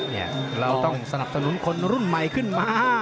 เนี่ยเราต้องสนับสนุนคนรุ่นใหม่ขึ้นมา